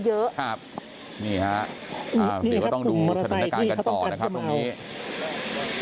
นี่ค่ะเดี๋ยวก็ต้องดูสถานการณ์กันต่อนะครับตรงนี้